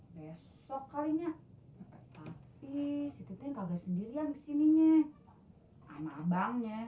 besok kalinya tapi si tidak sendiri yang sininya